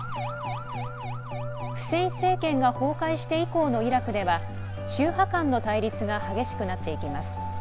フセイン政権が崩壊して以降のイラクでは宗派間の対立が激しくなっていきます。